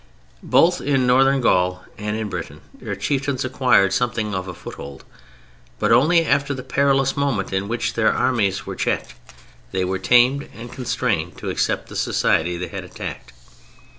Both in Northern Gaul and in Britain their chieftains acquired something of a foothold, but only after the perilous moment in which their armies were checked; they were tamed and constrained to accept the society they had attacked.